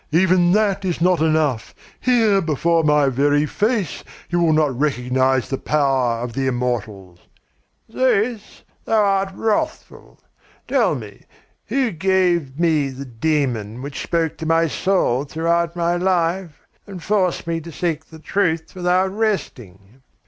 Even that is not enough! Here before my very face you will not recognise the power of the immortals " "Zeus, thou art wrathful. Tell me, who gave me the 'Daemon' which spoke to my soul throughout my life and forced me to seek the truth without resting?"